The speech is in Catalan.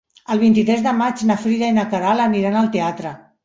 El vint-i-tres de maig na Frida i na Queralt aniran al teatre.